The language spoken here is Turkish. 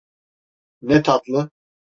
Ne tatlı.